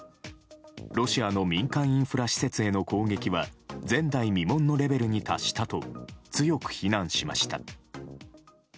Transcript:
ロシアの民間インフラ施設への攻撃は前代未聞のレベルに達したと強く非難しました。